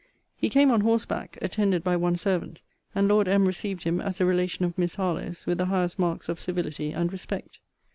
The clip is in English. He came on horseback, attended by one servant; and Lord M. received him as a relation of Miss Harlowe's with the highest marks of civility and respect.